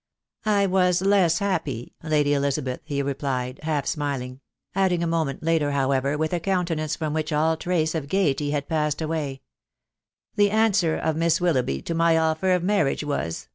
" I was less happy, Lady Elizabeth," he replied, half smiling ; adding a moment after, however, with a countenance from which all trace of gaiety had passed away, " The answer of Miss Willoughby to my offer of marriage was